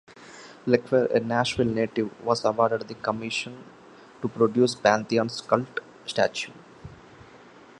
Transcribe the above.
LeQuire, a Nashville native, was awarded the commission to produce the Parthenon's cult statue.